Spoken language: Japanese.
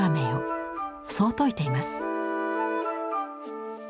そう説いています。